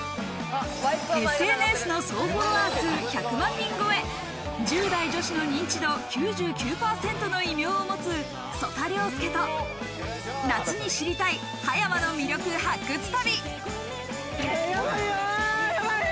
ＳＮＳの総フォロワー数１００万人超え、１０代女子の認知度９９％の異名を持つ曽田陵介と夏に知りたい葉山の魅力、発掘旅。